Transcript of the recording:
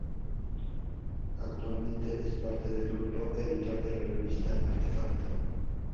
Actualmente es parte del grupo editor de la revista "Artefacto.